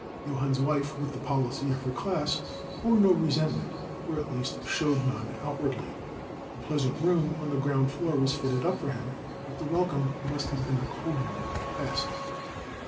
Johann's wife, with the policy of her class, bore no resentment, or at least showed none outwardly. A pleasant room on the ground floor was fitted up for him, but the welcome must have been a cold one at best.